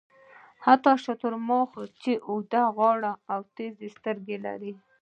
حتی شترمرغ چې اوږده غاړه او تېزې سترګې لري.